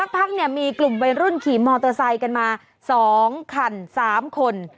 พักมีกลุ่มวัยรุ่นขี่มอเตอร์ไซค์กันมา๒คัน๓คน